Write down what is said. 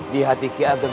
di hati ki ageng